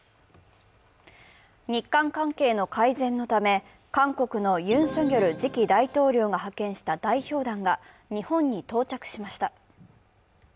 日韓関係の改善のため韓国のユン・ソギョル次期大統領が派遣した代表団が日本に到着しました。